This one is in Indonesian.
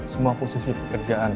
semua posisi pekerjaan